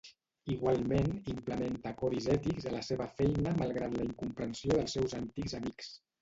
Igualment implementa codis ètics a la seva feina malgrat la incomprensió dels seus antics amics.